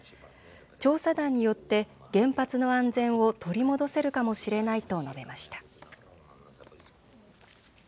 調査団によって原発の安全を取り戻せるかもしれないと述べました。